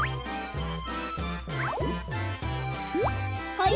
はい。